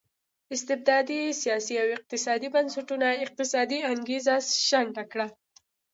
استبدادي سیاسي او اقتصادي بنسټونو اقتصادي انګېزه شنډه کړه.